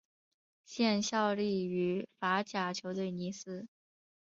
现效力于法甲球队尼斯。